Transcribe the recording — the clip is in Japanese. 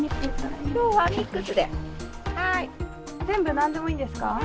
全部何でもいいんですか？